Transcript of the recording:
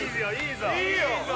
いいよ！